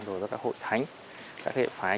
đối với các hội thánh các hệ phái